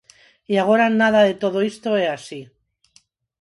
E agora nada de todo isto é así.